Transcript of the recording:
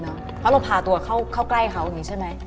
เพราะเราพาตัวเข้าใกล้เขาอย่างนี้ใช่ไหม